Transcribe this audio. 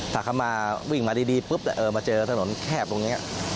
ถ้าเขามาวิ่งมาดีปุ๊บมาเจอถนนแคบตรงนี้